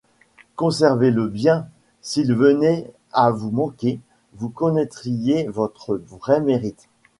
Conservez-le bien ; s'il venait à vous manquer, vous connaîtriez votre vrai mérite.